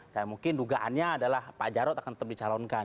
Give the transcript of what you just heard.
dan mungkin dugaannya adalah pak jarod akan tetap dicalonkan